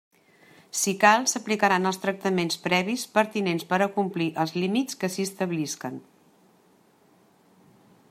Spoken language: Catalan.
Si cal, s'aplicaran els tractaments previs pertinents per a complir els límits que s'hi establisquen.